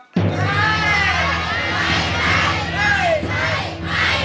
ใช้